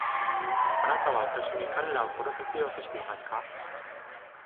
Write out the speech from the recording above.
あなたは私に彼らを殺させようとしていますか？